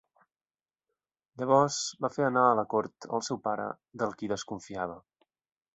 Llavors va fer anar a la cort al seu pare del qui desconfiava.